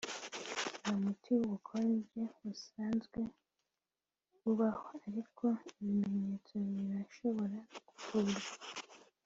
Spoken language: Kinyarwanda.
Nta muti wubukonje busanzwe ubaho ariko ibimenyetso birashobora kuvurwa